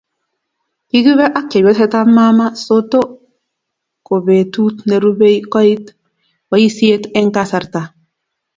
Kikibe ak chepyosetab maama sotto kobetut nerubei koit boisiet eng kasarta